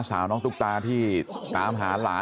น้าสาวของน้าผู้ต้องหาเป็นยังไงไปดูนะครับ